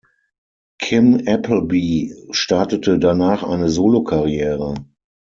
Kim Appleby startete danach eine Solokarriere.